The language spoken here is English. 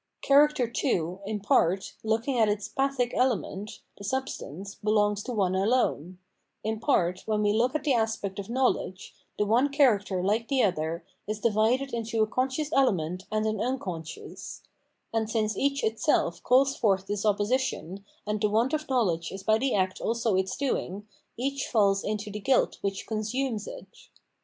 Character, too, in part, looking at its " pathic " element, the substance, belongs to one alone ; in part, when we look at the aspect of knowledge, the one character like the other is divided into a conscious element and an im conscious : and since each itself calls forth this opposi tion, and the want of knowledge is by the act also its doing, each falls intv. the guilt which consumes it.